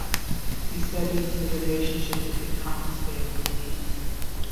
He studied the relationship between atmosphere and disease.